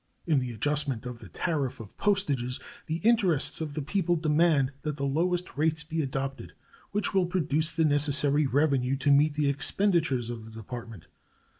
In the adjustment of the tariff of postages the interests of the people demand that the lowest rates be adopted which will produce the necessary revenue to meet the expenditures of the Department.